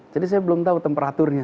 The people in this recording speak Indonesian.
jadi saya belum tahu temperaturnya